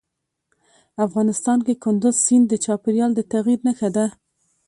افغانستان کې کندز سیند د چاپېریال د تغیر نښه ده.